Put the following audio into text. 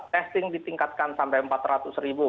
testing ditingkatkan sampai empat ratus ribu